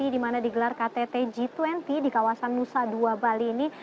di mana digelar ktt g dua puluh di kawasan nusa dua bali ini